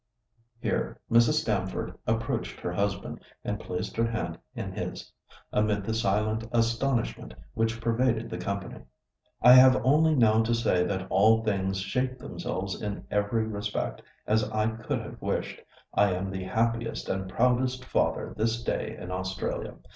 Here Mrs. Stamford approached her husband, and placed her hand in his, amid the silent astonishment which pervaded the company. "I have only now to say that all things shaped themselves in every respect as I could have wished. I am the happiest and proudest father this day in Australia.